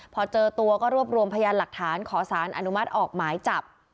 พอเจอตัวก็รวบรวมพยานหลักฐานขอสารอนุมัติออกหมายจับ